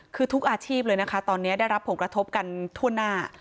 คือทุกอาชีพเลยนะคะตอนนี้ได้รับผงกระทบกันทั่วหน้า